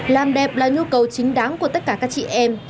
làm đẹp là nhu cầu chính đáng của tất cả các chị em